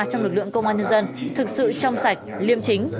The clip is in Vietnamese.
trong lực lượng công an nhân dân thực sự trong sạch liêm chính